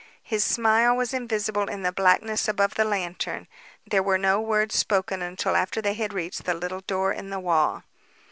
His smile was invisible in the blackness above the lantern. There were no words spoken until after they had reached the little door in the wall.